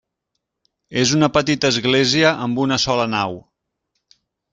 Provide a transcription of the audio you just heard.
És una petita església amb una sola nau.